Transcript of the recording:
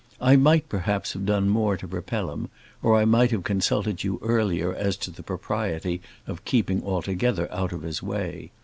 I might, perhaps, have done more to repel him; or I might have consulted you earlier as to the propriety of keeping altogether out of his way.